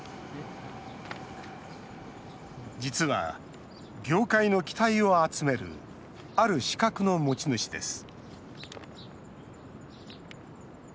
実は業界の期待を集めるある資格の持ち主です